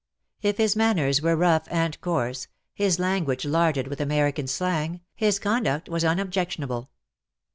If his manners were rough and coarse, his language larded with American slang, his conduct was unobjection able.